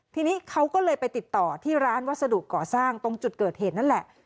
ทีนี้เขาก็เลยไปติดต่อที่ร้านวัสดุก่อสร้างตรงจุดเกิดเหตุนั่นแหละ